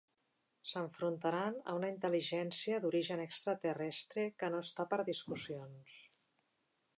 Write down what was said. S'enfrontaran a una intel·ligència d'origen extraterrestre que no està per discussions.